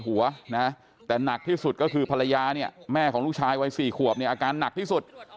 หัวนะแต่หนักที่สุดก็คือภรรยาเนี่ยแม่ของลูกชายวัย๔ขวบเนี่ยอาการหนักที่สุด